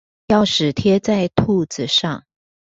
鑰匙貼在兔子上